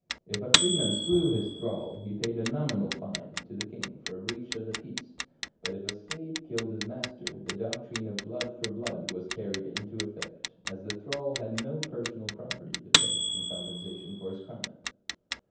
If a freeman slew his thrall, he paid a nominal fine to 90 r Strange Pains and Penalties the king for a breach of the peace ; but if a slave killed his master, the doctrine of blood for blood was carried into effect, as the thrall had no personal property to pay in compensation for his crime.